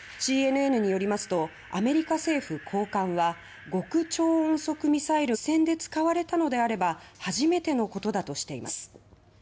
ＣＮＮによりますとアメリカ政府高官は極超音速ミサイルが実戦で使われたのであれば初めてのことだとしています。